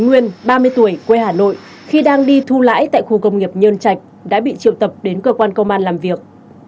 nguyễn ba mươi tuổi quê hà nội khi đang đi thu lãi tại khu công nghiệp nhơn trạch đã bị triệu tập đến cơ quan công an làm việc